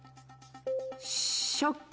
食器？